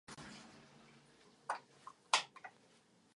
V té době již opět žila v domě v dnešní ulici Bratří Čapků.